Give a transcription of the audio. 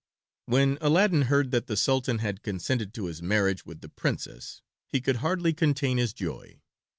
When Aladdin heard that the Sultan had consented to his marriage with the Princess he could hardly contain his joy.